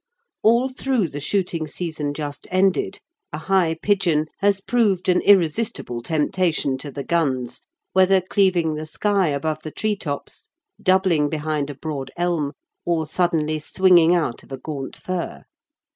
All through the shooting season just ended, a high pigeon has proved an irresistible temptation to the guns, whether cleaving the sky above the tree tops, doubling behind a broad elm, or suddenly swinging out of a gaunt fir.